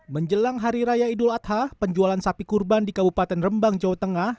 menjelang hari raya idul adha penjualan sapi kurban di kabupaten rembang jawa tengah